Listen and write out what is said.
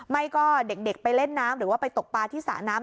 ไม่ก็เด็กไปเล่นน้ำหรือว่าไปตกปลาที่สระน้ำ